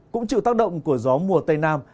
cũng chịu tác động của gió mùa tây nam